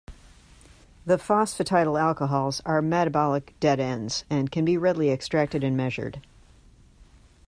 The phosphatidyl alcohols are metabolic dead-ends, and can be readily extracted and measured.